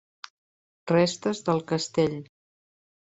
Restes del castell.